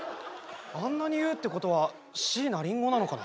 あんなに言うってことは椎名林檎なのかな？